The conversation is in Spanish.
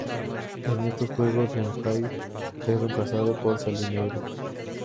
En estos juegos, Bonfire es reemplazado por Salinero.